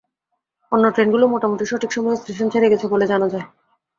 অন্য ট্রেনগুলো মোটামুটি সঠিক সময়ে স্টেশন ছেড়ে গেছে বলে জানা যায়।